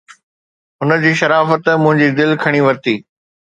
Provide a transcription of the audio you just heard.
هن جي شرافت منهنجي دل کٽي ورتي